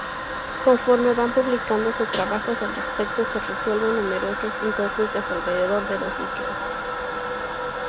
Conforme van publicándose trabajos al respecto se resuelven numerosas incógnitas alrededor de los líquenes.